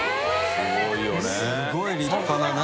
すごい立派な何？